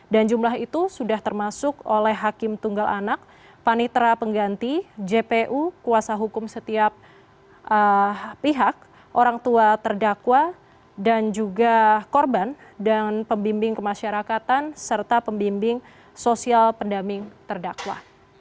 dan jumlah itu sudah termasuk oleh hakim tunggal anak panitra pengganti jpu kuasa hukum setiap pihak orang tua terdakwa dan juga korban dan pembimbing kemasyarakatan serta pembimbing sosial pendaming terdakwa